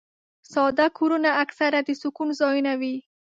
ساده کورونه اکثره د سکون ځایونه وي.